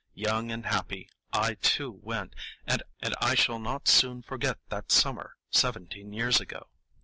Young and happy, I too went, and I shall not soon forget that summer, seventeen years ago.